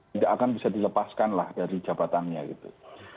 tidak akan bisa dilepaskan lah dari jabatannya gitu